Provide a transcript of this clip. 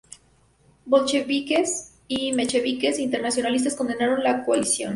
Bolcheviques y mencheviques internacionalistas condenaron la coalición.